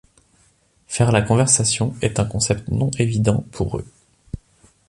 Faire la conversation est un concept non évident pour eux.